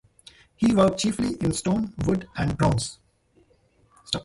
He worked chiefly in stone, wood and bronze.